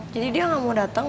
jadi dia gak mau dateng